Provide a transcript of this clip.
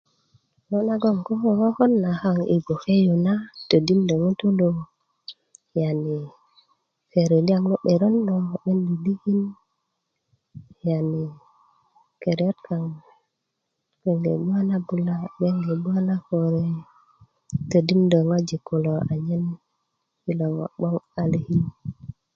ŋo' ngon ko kokon kaŋ i gboke yu na todindö ŋutulu yani keri liyaŋ lo 'berön lo ko'ben likin yani keriyat kaŋ kode' ŋo' nagon gbe gbuwa na na kore todindö ŋojik kulo ma kilo ŋo' gboŋ a likin